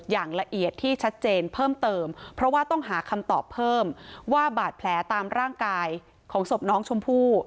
อย่างละเอียดที่ชัดเจนเพิ่มเติมเพราะว่าต้องหาคำตอบเพิ่มว่าบาดแผลตามร่างกายของศพน้องชมพู่